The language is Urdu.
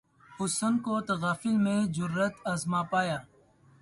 حسن کو تغافل میں جرأت آزما پایا